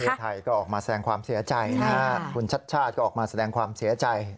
เพื่อไทยก็ออกมาแสดงความเสียใจนะฮะคุณชัดชาติก็ออกมาแสดงความเสียใจ